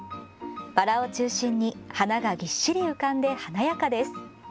バラを中心に花がぎっしり浮かんで華やかです。